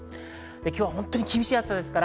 今日は厳しい暑さです。